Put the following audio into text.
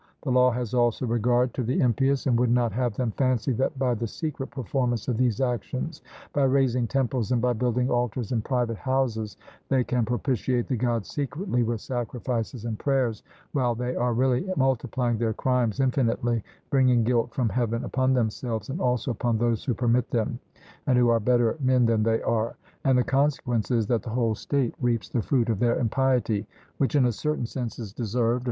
The law has also regard to the impious, and would not have them fancy that by the secret performance of these actions by raising temples and by building altars in private houses, they can propitiate the God secretly with sacrifices and prayers, while they are really multiplying their crimes infinitely, bringing guilt from heaven upon themselves, and also upon those who permit them, and who are better men than they are; and the consequence is that the whole state reaps the fruit of their impiety, which, in a certain sense, is deserved.